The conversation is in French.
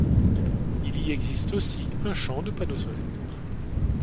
Il y existe aussi un champ de panneaux solaires.